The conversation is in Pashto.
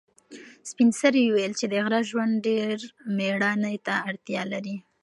سپین سرې وویل چې د غره ژوند ډېر مېړانې ته اړتیا لري.